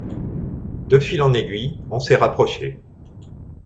De fil en aiguille, on s’est rapprochés.